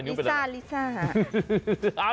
ลิซ่าลิซ่า